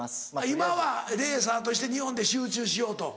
今はレーサーとして日本で集中しようと。